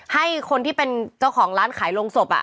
ให้คนที่เป็นเจ้าของร้านขายโรงศพ